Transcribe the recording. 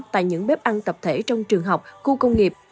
tại những bếp ăn tập thể trong trường học khu công nghiệp